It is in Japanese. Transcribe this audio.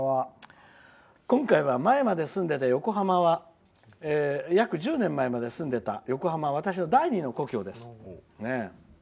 今回は前まで住んでいた横浜は約１０年前まで住んでいた横浜は私の第２の故郷です。